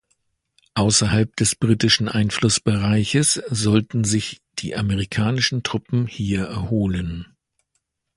Außerhalb des britischen Einflussbereiches sollten sich die amerikanischen Truppen hier erholen.